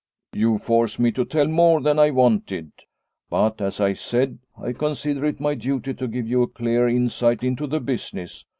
" You force me to tell more than I wanted. But, as I said, I consider it my duty to give you a clear insight into the business.